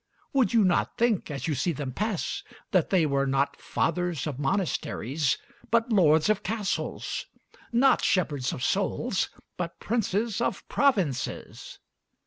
Would you not think, as you see them pass, that they were not fathers of monasteries, but lords of castles not shepherds of souls, but princes of provinces?